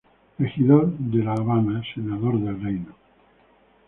Regidor de La Habana, Senador del Reino.